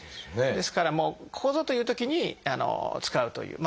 ですからもうここぞというときに使うという。